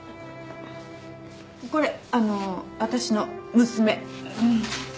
これあの私の娘。